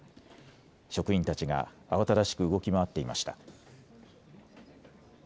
職員たちが慌ただしく動き回っていました。